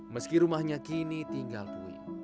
meski rumahnya kini tinggal puing